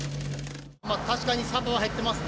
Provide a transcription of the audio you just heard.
確かにサバは減ってますね。